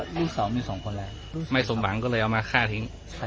แต่เขาพูดตรงส่วนตรงเลยว่าพี่มาที่ไหนมาข่าไปแล้ว